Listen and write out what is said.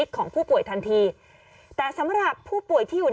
กล้องกว้างอย่างเดียว